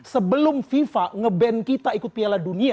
sebelum fifa nge ban kita ikut piala dunia